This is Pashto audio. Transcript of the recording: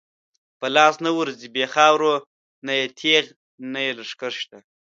په لاس نه ورځی بی خاورو، نه یی تیغ نه یی لښکر شته